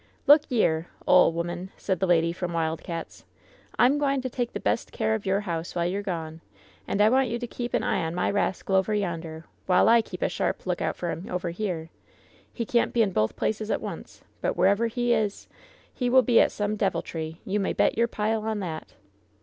''Look yere, ole woman," said the lady from Wild Cats', "I'm gwine to take the best of care of your house while you're gone, and I want you to keep an eye on my rascal over yonder, while I keep a sharp lookout for him over here. He can't be in both places at once; but wherever he is he will be at some deviltry — ^you may bet your pile on that."